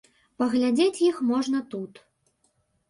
Паглядзець іх можна тут.